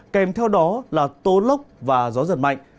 kèm theo đó là tố lốc và gió giật mạnh